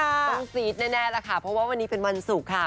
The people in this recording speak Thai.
ต้องซีดแน่แน่แล้วค่ะเพราะว่าวันนี้เป็นมันสุขค่ะ